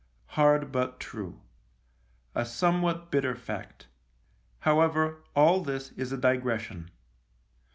Hard, but true. A somewhat bitter fact. However, all this is a digres sion.